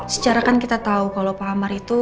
secara kan kita tahu kalau pak amar itu